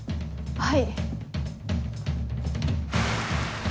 はい。